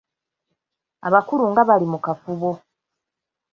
Abakulu nga bali mu kafubo.